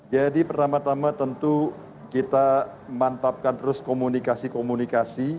jadi pertama tama tentu kita mantapkan terus komunikasi komunikasi